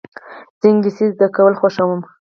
زه انګلېسي زده کول خوښوم.